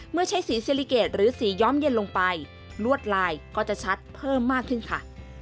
เมื่อใช้สีเซลิเกตหรือสีย้อมเย็นลงไปลวดลายก็จะชัดเพิ่มมากขึ้นค่ะ